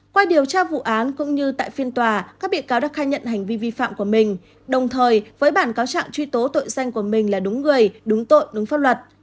qua điều tra vụ án cũng như tại phiên tòa các bị cáo đã khai nhận hành vi vi phạm của mình đồng thời với bản cáo trạng truy tố tội danh của mình là đúng người đúng tội đúng pháp luật